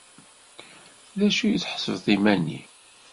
D acu tḥesbeḍ iman-im?